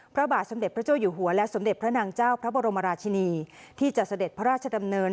พระบาทสมเด็จพระเจ้าอยู่หัวและสมเด็จพระนางเจ้าพระบรมราชินีที่จะเสด็จพระราชดำเนิน